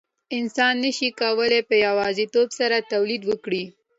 انسان نشي کولای په یوازیتوب سره تولید وکړي.